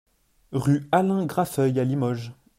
Rue Alain Grafeuil à Limoges